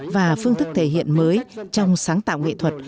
và phương thức thể hiện mới trong sáng tạo nghệ thuật